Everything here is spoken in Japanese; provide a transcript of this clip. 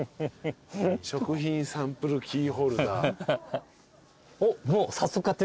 食品サンプルキーホルダー。